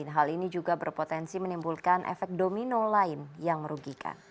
hal ini juga berpotensi menimbulkan efek domino lain yang merugikan